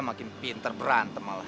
makin pinter berantem malah